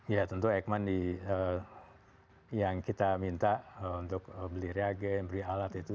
ya tentu eijkman yang kita minta untuk beli reagen beli alat itu